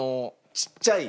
ちっちゃい？